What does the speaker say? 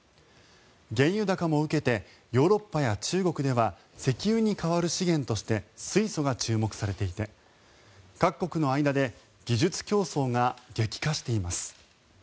原油高も受けてヨーロッパや中国では石油に代わる資源として水素が注目されていて各国の間で技術競争が激化しています。